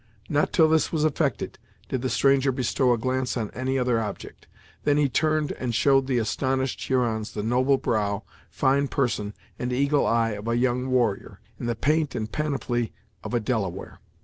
Not till this was effected did the stranger bestow a glance on any other object; then he turned and showed the astonished Hurons the noble brow, fine person, and eagle eye, of a young warrior, in the paint and panoply of a Delaware.